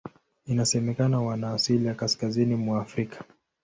Inasemekana wana asili ya Kaskazini mwa Afrika.